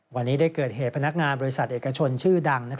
วันนี้ได้เกิดเหตุพนักงานบริษัทเอกชนชื่อดัง